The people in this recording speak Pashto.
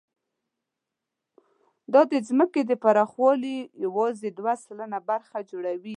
دا د ځمکې د پراخوالي یواځې دوه سلنه برخه جوړوي.